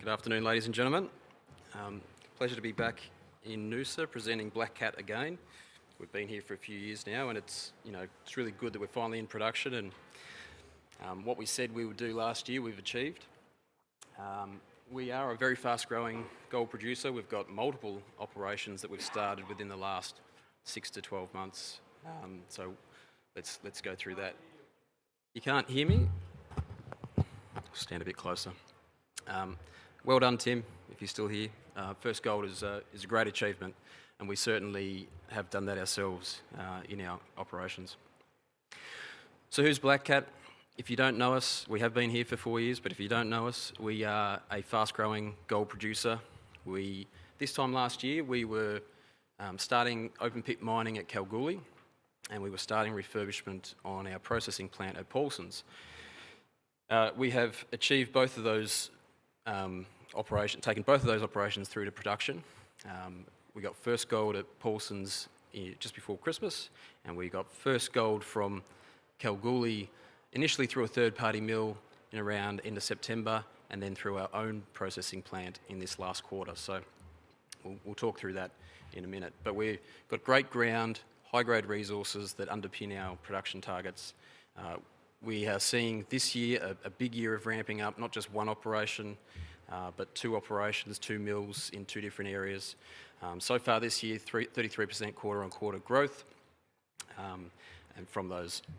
Good afternoon, ladies and gentlemen. A pleasure to be back in Noosa presenting Black Cat again. We've been here for a few years now, and it's really good that we're finally in production. What we said we would do last year, we've achieved. We are a very fast-growing gold producer. We've got multiple operations that we've started within the last 6 to 12 months. Let's go through that. You can't hear me? Stand a bit closer. Well done, Tim, if you're still here. First gold is a great achievement, and we certainly have done that ourselves in our operations. Who's Black Cat? If you don't know us, we have been here for four years, but if you don't know us, we are a fast-growing gold producer. This time last year, we were starting open pit mining at Kalgoorlie, and we were starting refurbishment on our processing plant at Paulsens. We have achieved both of those operations, taken both of those operations through to production. We got first gold at Paulsens just before Christmas, and we got first gold from Kalgoorlie initially through a third-party mill in around the end of September, and then through our own processing plant in this last quarter. We'll talk through that in a minute. We've got great ground, high-grade resources that underpin our production targets. We are seeing this year a big year of ramping up, not just one operation, but two operations, two mills in two different areas. So far this year, 33% quarter-on-quarter growth from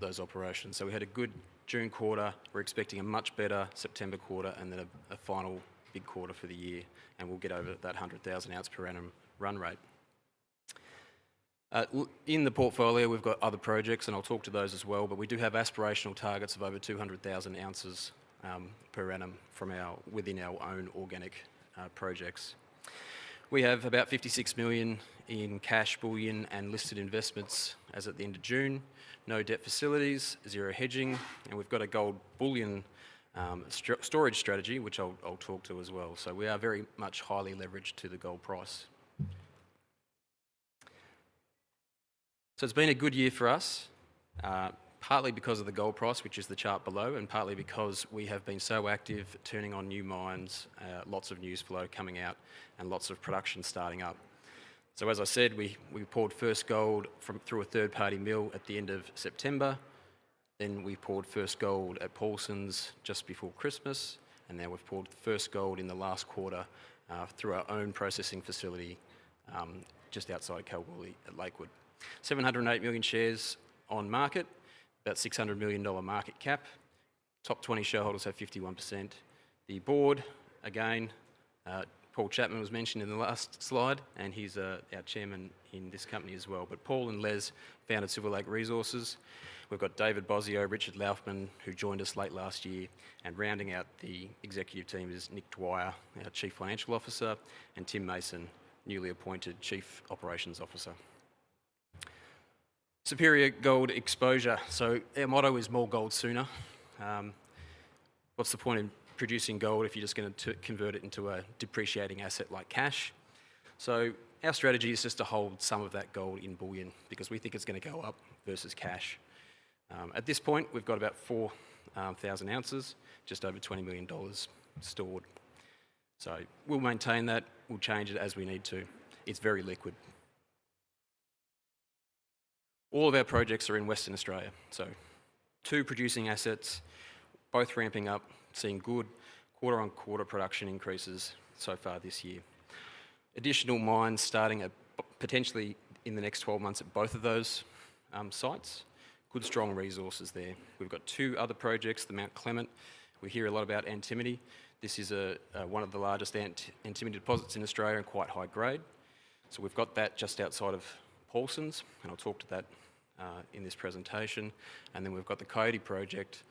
those operations. We had a good June quarter. We're expecting a much better September quarter and then a final big quarter for the year, and we'll get over that 100,000 ounce per annum run rate. In the portfolio, we've got other projects, and I'll talk to those as well, but we do have aspirational targets of over 200,000 ounces per annum within our own organic projects. We have about $56 million in cash, bullion, and listed investments as at the end of June. No debt facilities, zero hedging, and we've got a gold bullion storage strategy, which I'll talk to as well. We are very much highly leveraged to the gold price. It's been a good year for us, partly because of the gold price, which is the chart below, and partly because we have been so active turning on new mines, lots of news flow coming out, and lots of production starting up. As I said, we poured first gold through a third-party mill at the end of September. We poured first gold at Paulsens just before Christmas, and now we've poured first gold in the last quarter through our own processing facility just outside Kalgoorlie at Lakewood. 708 million shares on market, about $600 million market cap. Top 20 shareholders have 51%. The board, again, Paul Chapman was mentioned in the last slide, and he's our Chairman in this company as well. Paul and Les, founders of Silver Lake Resources. We've got Davide Bosio, Richard Laufman, who joined us late last year, and rounding out the executive team is Nick Dwyer, our Chief Financial Officer, and Tim Mason, newly appointed Chief Operating Officer. Superior gold exposure. Our motto is more gold sooner. What's the point in producing gold if you're just going to convert it into a depreciating asset like cash? Our strategy is just to hold some of that gold in bullion because we think it's going to go up versus cash. At this point, we've got about 4,000 ounces, just over $20 million stored. We'll maintain that. We'll change it as we need to. It's very liquid. All of our projects are in Western Australia. Two producing assets, both ramping up, seeing good quarter-on-quarter production increases so far this year. Additional mines starting potentially in the next 12 months at both of those sites. Good, strong resources there. We've got two other projects, the Mount Clement. We hear a lot about antimony. This is one of the largest antimony deposits in Australia and quite high grade. We've got that just outside of Paulsens, and I'll talk to that in this presentation. We've got the Coyote project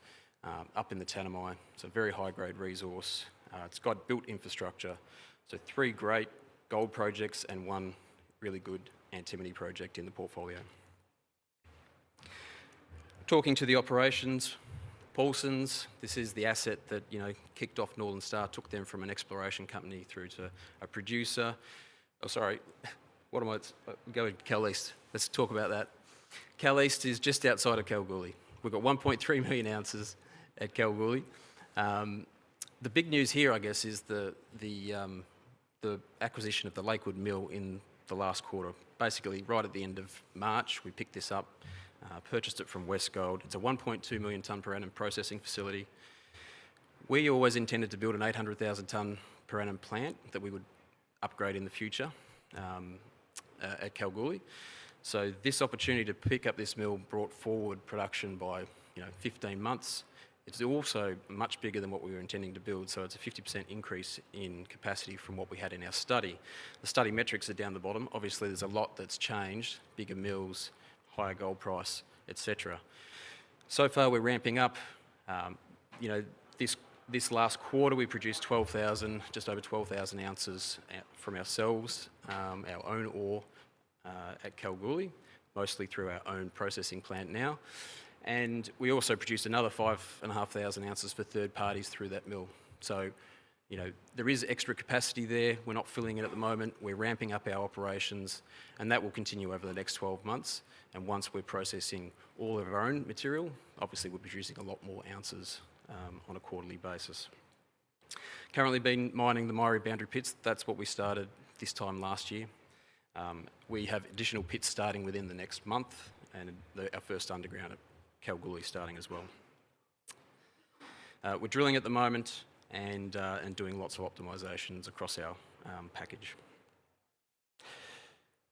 up in the Tanami region. It's a very high-grade resource. It's got built infrastructure. Three great gold projects and one really good antimony project in the portfolio. Talking to the operations, Paulsens, this is the asset that kicked off Northern Star, took them from an exploration company through to a producer. Go to Kal East. Let's talk about that. Kal East is just outside of Kalgoorlie. We've got 1.3 million ounces at Kalgoorlie. The big news here is the acquisition of the Lakewood mill in the last quarter. Right at the end of March, we picked this up, purchased it from Westgold. It's a 1.2 million ton per annum processing facility. We always intended to build an 800,000 ton per annum plant that we would upgrade in the future at Kalgoorlie. This opportunity to pick up this mill brought forward production by 15 months. It's also much bigger than what we were intending to build. It's a 50% increase in capacity from what we had in our study. The study metrics are down the bottom. Obviously, there's a lot that's changed: bigger mills, higher gold price, etc. So far, we're ramping up. This last quarter, we produced just over 12,000 ounces from ourselves, our own ore at Kalgoorlie, mostly through our own processing plant now. We also produced another 5,500 ounces for third parties through that mill. There is extra capacity there. We're not filling it at the moment. We're ramping up our operations, and that will continue over the next 12 months. Once we're processing all of our own material, we're producing a lot more ounces on a quarterly basis. Currently, we're mining the Murray boundary pits. That's what we started this time last year. We have additional pits starting within the next month and our first underground at Kalgoorlie starting as well. We're drilling at the moment and doing lots of optimizations across our package.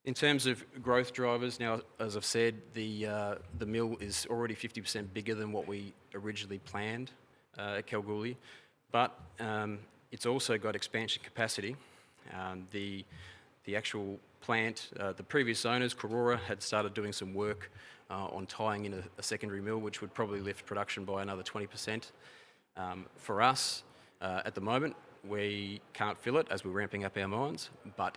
In terms of growth drivers now, as I've said, the mill is already 50% bigger than what we originally planned at Kalgoorlie, but it's also got expansion capacity. The actual plant, the previous owners, Karora, had started doing some work on tying in a secondary mill, which would probably lift production by another 20%. For us, at the moment, we can't fill it as we're ramping up our mines. At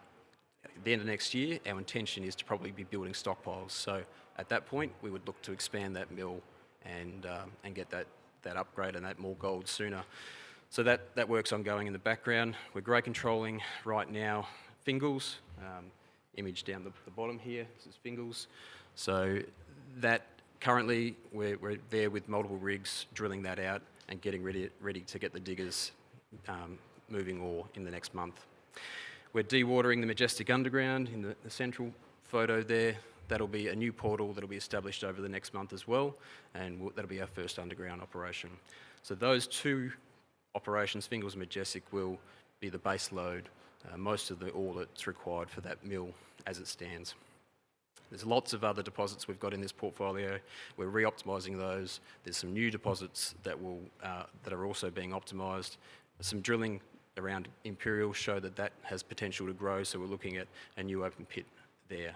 the end of next year, our intention is to probably be building stockpiles. At that point, we would look to expand that mill and get that upgrade and that more gold sooner. That work's ongoing in the background. We're grade controlling right now. Fingals, image down the bottom here, this is Fingals. Currently, we're there with multiple rigs drilling that out and getting ready to get the diggers moving ore in the next month. We're dewatering the Majestic underground in the central photo there. That'll be a new portal that'll be established over the next month as well, and that'll be our first underground operation. Those two operations, Fingals and Majestic, will be the base load, most of the ore that's required for that mill as it stands. There are lots of other deposits we've got in this portfolio. We're re-optimizing those. There are some new deposits that are also being optimized. Some drilling around Imperial shows that has potential to grow. We're looking at a new open pit there.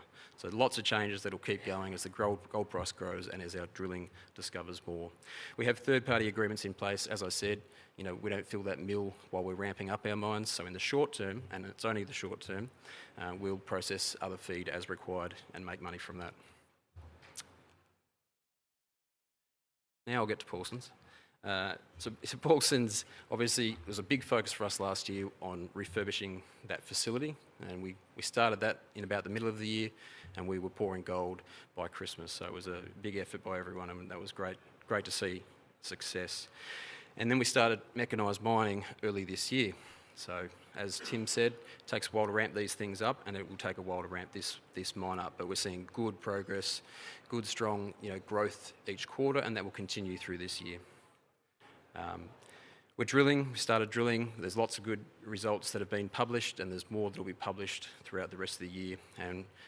Lots of changes will keep going as the gold price grows and as our drilling discovers more. We have third-party agreements in place. As I said, we don't fill that mill while we're ramping up our mines. In the short term, and it's only the short term, we'll process other feed as required and make money from that. Now I'll get to Paulsens. Paulsens, obviously, was a big focus for us last year on refurbishing that facility. We started that in about the middle of the year, and we were pouring gold by Christmas. It was a big effort by everyone, and that was great to see success. We started mechanized mining early this year. As Tim said, it takes a while to ramp these things up, and it will take a while to ramp this mine up. We're seeing good progress, good, strong growth each quarter, and that will continue through this year. We're drilling. We started drilling. There are lots of good results that are being published, and there's more that'll be published throughout the rest of the year.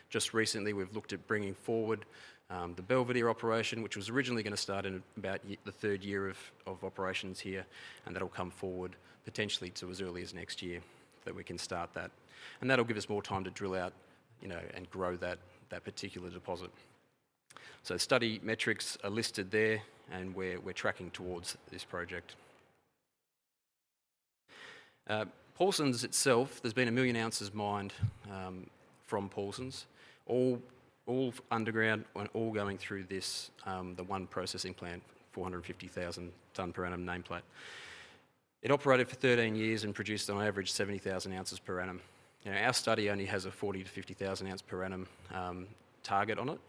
Just recently, we've looked at bringing forward the Belvedere operation, which was originally going to start in about the third year of operations here, and that'll come forward potentially to as early as next year that we can start that. That'll give us more time to drill out and grow that particular deposit. Study metrics are listed there, and we're tracking towards this project. Paulsens itself, there's been a million ounces mined from Paulsens, all underground and all going through the one processing plant, 450,000 ton per annum nameplate. It operated for 13 years and produced on average 70,000 ounces per annum. Our study only has a 40,000 to 50,000 ounce per annum target on it.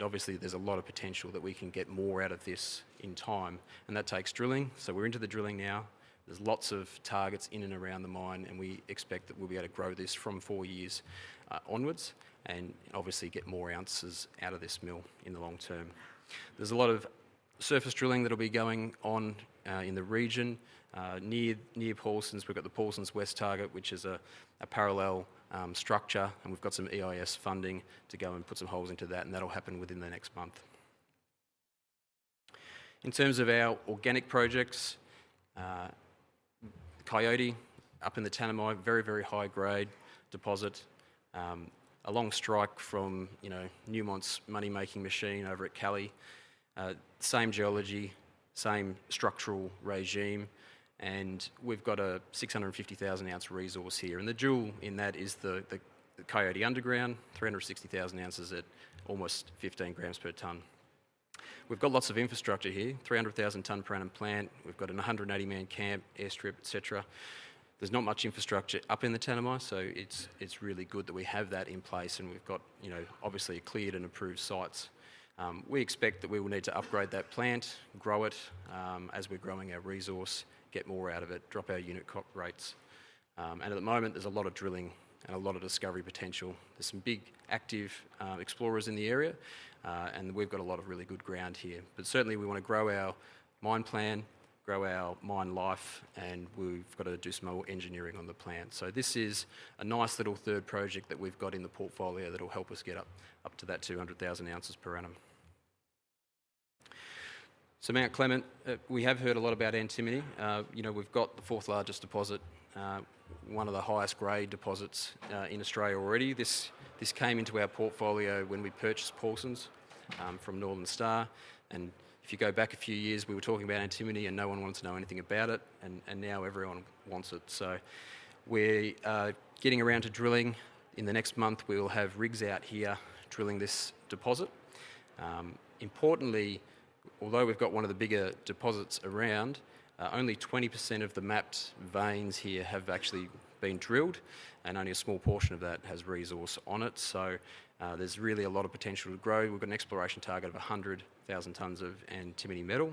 Obviously, there's a lot of potential that we can get more out of this in time, and that takes drilling. We're into the drilling now. There are lots of targets in and around the mine, and we expect that we'll be able to grow this from four years onwards and get more ounces out of this mill in the long term. There's a lot of surface drilling that'll be going on in the region near Paulsens. We've got the Paulsens West Target, which is a parallel structure, and we've got some EIS funding to go and put some holes into that, and that'll happen within the next month. In terms of our organic projects, Coyote up in the Tanami, very, very high-grade deposit, a long strike from Newmont's money-making machine over at Callie, same geology, same structural regime. We've got a 650,000 ounce resource here, and the jewel in that is the Coyote underground, 360,000 ounces at almost 15 grams per ton. We've got lots of infrastructure here, 300,000 ton per annum plant. We've got a 180-man camp, airstrip, etc. There's not much infrastructure up in the Tanami, so it's really good that we have that in place. We've got, you know, obviously cleared and approved sites. We expect that we will need to upgrade that plant, grow it as we're growing our resource, get more out of it, drop our unit cost rates. At the moment, there's a lot of drilling and a lot of discovery potential. There are some big active explorers in the area, and we've got a lot of really good ground here. Certainly, we want to grow our mine plan, grow our mine life, and we've got to do some more engineering on the plant. This is a nice little third project that we've got in the portfolio that'll help us get up to that 200,000 ounces per annum. Mount Clement, we have heard a lot about antimony. We've got the fourth largest deposit, one of the highest grade deposits in Australia already. This came into our portfolio when we purchased Paulsens from Northern Star. If you go back a few years, we were talking about antimony, and no one wanted to know anything about it. Now everyone wants it. We're getting around to drilling. In the next month, we will have rigs out here drilling this deposit. Importantly, although we've got one of the bigger deposits around, only 20% of the mapped veins here have actually been drilled, and only a small portion of that has resource on it. There's really a lot of potential to grow. We've got an exploration target of 100,000 tons of antimony metal.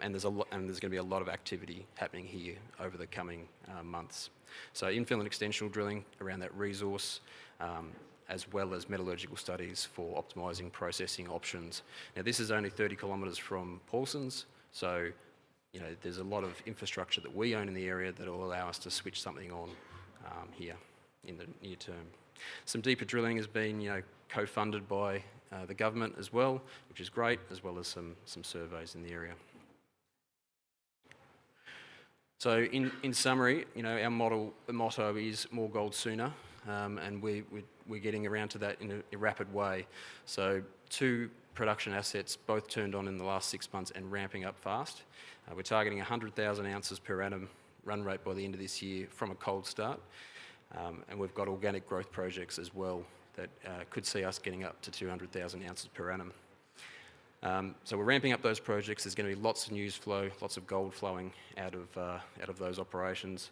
There's going to be a lot of activity happening here over the coming months. Infill and extensional drilling around that resource, as well as metallurgical studies for optimizing processing options. This is only 30 kilometers from Paulsens, so there's a lot of infrastructure that we own in the area that'll allow us to switch something on here in the near term. Some deeper drilling has been co-funded by the government as well, which is great, as well as some surveys in the area. In summary, our model, the motto is more gold sooner, and we're getting around to that in a rapid way. Two production assets both turned on in the last six months and ramping up fast. We're targeting 100,000 ounces per annum run rate by the end of this year from a cold start. We've got organic growth projects as well that could see us getting up to 200,000 ounces per annum. We're ramping up those projects. There is going to be lots of news flow, lots of gold flowing out of those operations,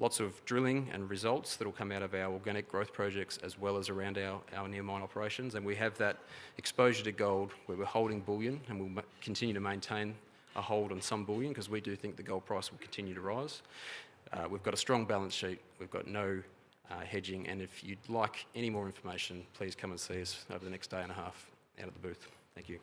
lots of drilling and results that will come out of our organic growth projects, as well as around our near mine operations. We have that exposure to gold where we're holding bullion, and we'll continue to maintain a hold on some bullion because we do think the gold price will continue to rise. We've got a strong balance sheet. We've got no hedging. If you'd like any more information, please come and see us over the next day and a half out at the booth. Thank you.